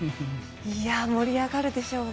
盛り上がるでしょうね。